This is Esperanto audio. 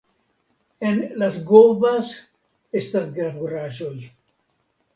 En Las Gobas estas gravuraĵoj.